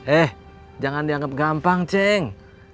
eh jangan dianggap gampang ceng